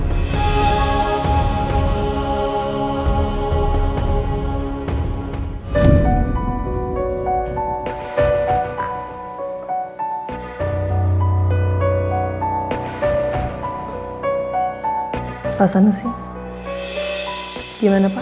jangan pakai apa apa